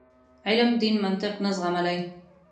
علم دین منطق نه زغملای.